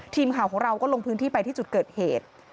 ทีมข่าวของเราก็ลงพื้นที่ไปที่จุดเกิดเหตุ